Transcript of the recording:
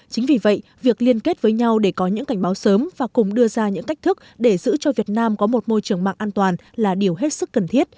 chính vì vậy việc liên kết với nhau để có những cảnh báo sớm và cùng đưa ra những cách thức để giữ cho việt nam có một môi trường mạng an toàn là điều hết sức cần thiết